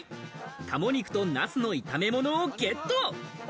鴨肉とナスの炒め物をゲット。